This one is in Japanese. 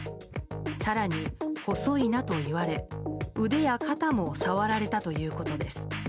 更に、細いなと言われ、腕や肩も触られたということです。